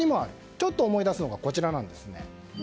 ちょっと思い出すのが、こちら。